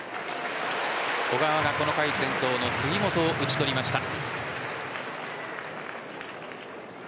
小川がこの回先頭の杉本を打ち取りました。